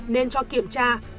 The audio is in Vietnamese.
nên cho kiểm tra